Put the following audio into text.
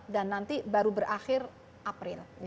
dan nanti baru berakhir april